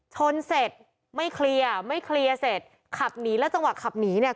ชนเสร็จไม่เคลียร์ไม่เคลียร์เสร็จขับหนีแล้วจังหวะขับหนีเนี่ย